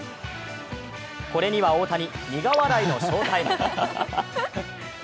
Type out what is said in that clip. これには大谷、苦笑いの笑タイム。